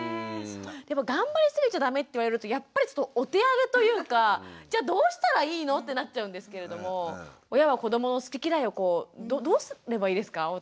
でも頑張りすぎちゃダメって言われるとやっぱりちょっとお手上げというかじゃあどうしたらいいのってなっちゃうんですけれども親は子どもの好き嫌いをどうすればいいですか？